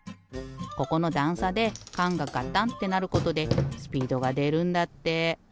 ここのだんさでかんがカタンってなることでスピードがでるんだって。